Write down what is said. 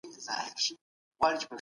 پر هغه باندي دا مصارف واجب ندي.